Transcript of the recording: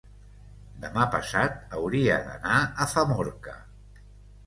Demà passat hauria d'anar a Famorca.